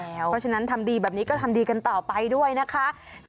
เพราะฉะนั้นทำดีแบบนี้ก็ทำดีกันต่อไปด้วยนะคะ